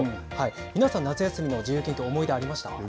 皆さん、夏休みの自由研究って思い出ありました？